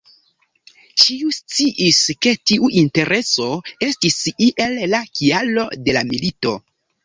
Ĉiu sciis ke tiu intereso estis iel la kialo de la milito".